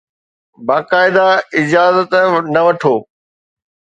باقاعده اجازت نه وٺو